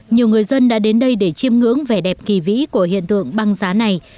nhiều người dân đã đến đây để chiêm ngưỡng vẻ đẹp kỳ vĩ của hiện tượng băng giá này